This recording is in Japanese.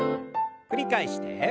繰り返して。